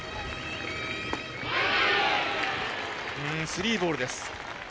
スリーボールです。